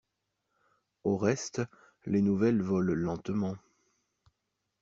Au reste, les nouvelles volent lentement.